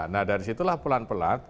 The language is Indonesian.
nah dari situlah pelan pelan